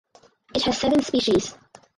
It has seven species.